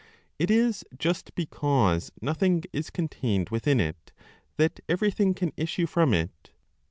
It is just because nothing is contained within it, that everything can issue from it.